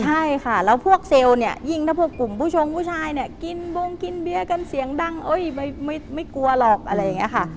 ใช่ค่ะแล้วพวกเซลล์เนี่ยยิ่งถ้าพวกกลุ่มผู้ชมผู้ชายเนี่ยกินบงกินเบียร์กันเสียงดังเอ้ยไม่กลัวหรอกอะไรอย่างนี้ค่ะ